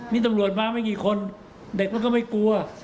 มีตำรวจมาไม่กี่คนเด็กมันก็ไม่กลัว